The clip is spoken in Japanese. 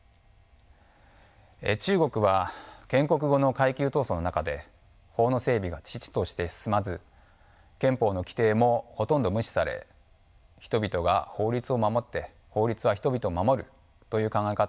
中国は建国後の階級闘争の中で法の整備が遅々として進まず憲法の規定もほとんど無視され人々が法律を守って法律は人々を守るという考え方は形成されませんでした。